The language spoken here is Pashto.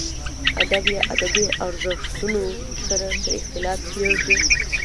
ادب یا ادبي ارزښتونو سره که اختلاف کېږي.